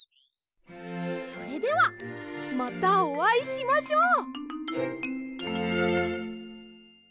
それではまたおあいしましょう。